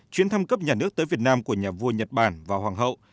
chuyến thăm cấp nhà nước tới việt nam của nhà vua nhật bản và hoàng hậu